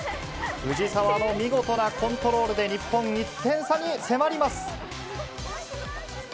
藤澤の見事なコントロールで日本、１点差に迫ります。